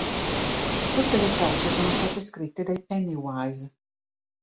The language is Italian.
Tutte le tracce sono state scritte dai Pennywise